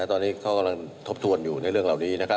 ตอนนี้เขากำลังทบทวนอยู่ในเรื่องเหล่านี้นะครับ